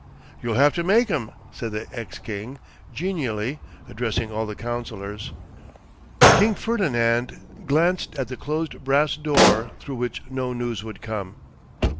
'You'll have to make 'em,' said the ex king, genially addressing all the councillors. King Ferdinand glanced at the closed brass door through which no news would come.